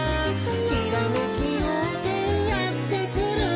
「ひらめきようせいやってくる」